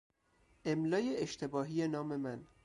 املای اشتباهی نام من